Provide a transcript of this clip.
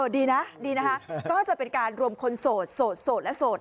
ดีนะดีนะคะก็จะเป็นการรวมคนโสดโสดและโสด